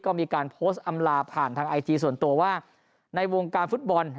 ก็มีการโพสต์อำลาผ่านทางไอจีส่วนตัวว่าในวงการฟุตบอล